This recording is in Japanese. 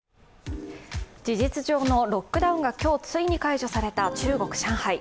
事実上のロックダウンが今日ついに解除された中国・上海。